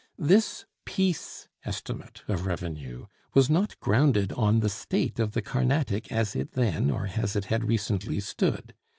This peace estimate of revenue was not grounded on the state of the Carnatic as it then, or as it had recently, stood.